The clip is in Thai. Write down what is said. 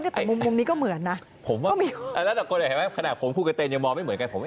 แต่มุมนี้ก็เหมือนนะ